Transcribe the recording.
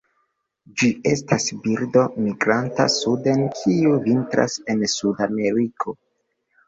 Ĝi estas birdo migranta suden kiu vintras en Suda Ameriko.